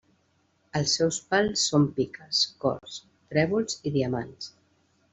Els seus pals són piques, cors, trèvols i diamants.